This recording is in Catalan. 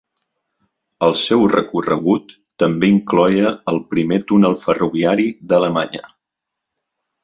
El seu recorregut també incloïa el primer túnel ferroviari d'Alemanya.